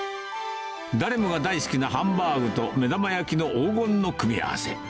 誰もが大好きなハンバーグと目玉焼きの黄金の組み合わせ。